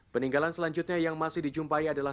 peninggalan selanjutnya yang masih dijumpai adalah